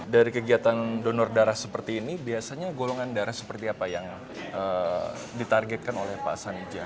dari kegiatan donor darah seperti ini biasanya golongan darah seperti apa yang ditargetkan oleh pak sanija